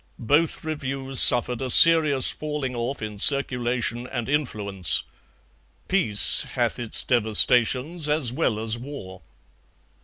Both reviews suffered a serious falling off in circulation and influence. Peace hath its devastations as well as war.